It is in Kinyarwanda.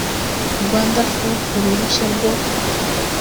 rwanda frw ku ruhushya rwo